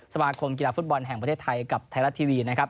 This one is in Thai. สมาคมกีฬาฟุตบอลแห่งประเทศไทยกับไทยรัฐทีวีนะครับ